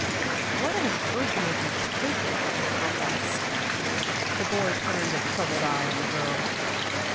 "What on earth made you take it?" I asked. The boy turned a troubled eye on the girl.